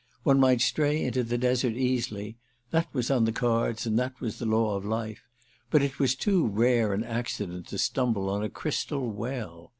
One might stray into the desert easily—that was on the cards and that was the law of life; but it was too rare an accident to stumble on a crystal well.